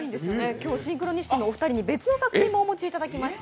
今日、シンクロニシティのお二人に別の作品もお持ちいただきました。